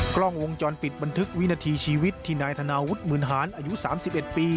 กล้องวงจรปิดบันทึกวินาทีชีวิตที่นายธนาวุฒิหมื่นหารอายุ๓๑ปี